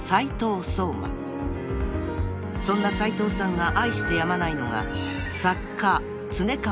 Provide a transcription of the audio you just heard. ［そんな斉藤さんが愛してやまないのが］